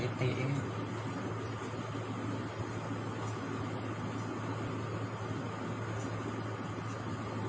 อืม